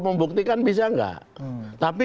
membuktikan bisa nggak tapi